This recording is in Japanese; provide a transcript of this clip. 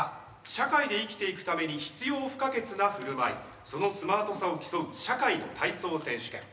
社会で生きていくために必要不可欠な振る舞いそのスマートさを競う「社会の体操選手権」。